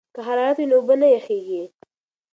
که حرارت وي نو اوبه نه یخیږي.